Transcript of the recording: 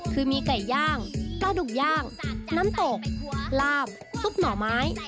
คือมีไก่ย่างปลาดุกย่างน้ำตกลาบซุปหน่อไม้